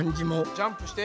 ジャンプして。